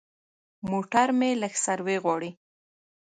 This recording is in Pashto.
موټر مې لږ سروي غواړي.